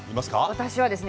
私はですね